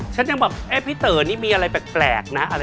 ฉันยังแบบเอ๊ะพี่เต๋อนี่มีอะไรแปลกนะ